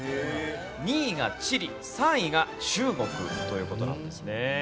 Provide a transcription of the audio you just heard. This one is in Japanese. ２位がチリ３位が中国という事なんですね。